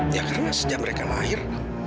ya karena sejak mereka lahir